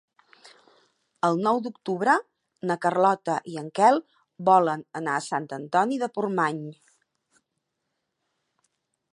El nou d'octubre na Carlota i en Quel volen anar a Sant Antoni de Portmany.